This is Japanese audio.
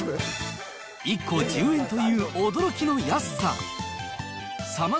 １個１０円という驚きの安さ。